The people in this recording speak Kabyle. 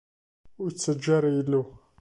Ur iyi-ttaǧǧa ara, ay Illu.